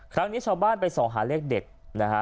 ครั้งนี้ชาวบ้านไปส่องหาเลขเด็ดนะฮะ